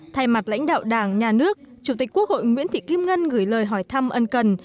thay mặt lãnh đạo đảng nhà nước chủ tịch quốc hội nguyễn thị kim ngân gửi lời hỏi thăm ân cần